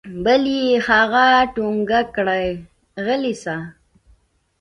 بل يې هغه ټونګه کړ غلى سه.